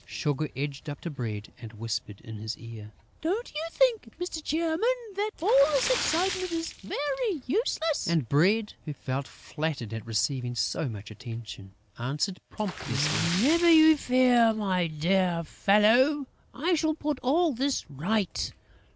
Sugar edged up to Bread and whispered in his ear: "Don't you think, Mr. Chairman, that all this excitement is very useless?" And Bread, who felt flattered at receiving so much attention, answered, pompously: "Never you fear, my dear fellow, I shall put all this right.